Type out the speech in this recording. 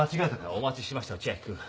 お待ちしてました千秋君。